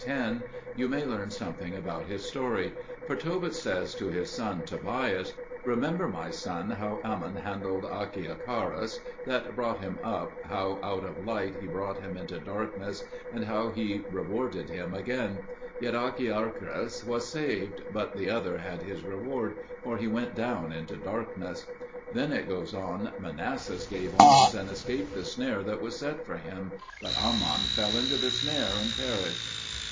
10) you may learn something about his story; for Tobit says to his son Tobias, "Remember, my son, how Aman handled Achiacharus that brought him up, how out of light he brought him into darkness, and how he rewarded him again; yet Achiacharus was saved, but the other had his reward, for he went down into darkness," Then it goes on, "Manasses gave alms, and escaped the snare that was set for him, but Aman fell into the snare and perished."